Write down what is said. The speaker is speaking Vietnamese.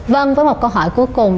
vâng với một câu hỏi cuối cùng